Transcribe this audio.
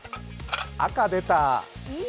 赤出た。